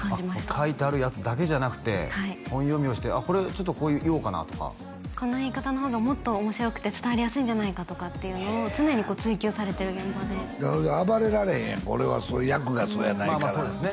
書いてあるやつだけじゃなくて本読みをしてこれちょっとこう言おうかなとかこの言い方のほうがもっと面白くて伝わりやすいんじゃないかとかっていうのを常に追求されてる現場で暴れられへんやん俺は役がそうやないからまあまあそうですね